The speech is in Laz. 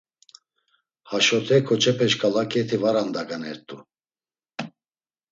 Haşote ǩoçepe şǩala ǩet̆i var andaganert̆u.